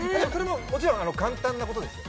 もちろん簡単なことですよ